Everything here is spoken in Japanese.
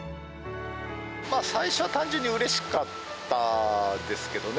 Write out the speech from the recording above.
最初は単純にうれしかったですけどね。